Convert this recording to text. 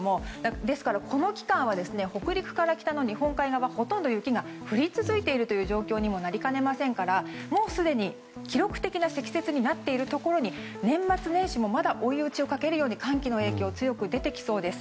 ですから、この期間は北陸から北の日本海側でほとんど雪が降り続いている状況にもなりかねませんからもうすでに記録的な積雪になっているところに、年末年始も追い打ちをかけるように寒気の影響強く出てきそうです。